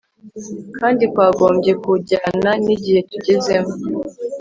kandi kwagombye kujyana n'igihe tugezemo